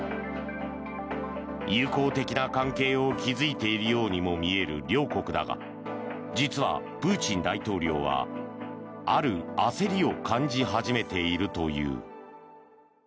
友好的な関係を築いているようにも見える両国だが実はプーチン大統領はある焦りを感じ始めているという。